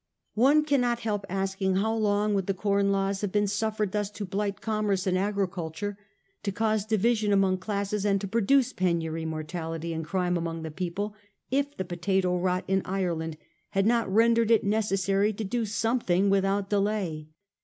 One cannot help asking how long would the Com Laws have been suffered thus to blight com merce and agriculture, to cause division among classes, and to produce penury, mortality and crime among the people, if the potato rot in Ireland had not rendered it necessary to do something without delay